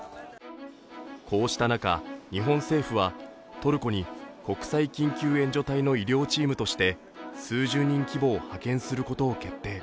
こうした中、日本政府はトルコに国際緊急救助隊の医療チームとして数十人規模を派遣することを決定。